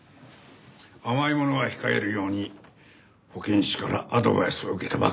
甘いものは控えるように保健師からアドバイスを受けたばかりだ。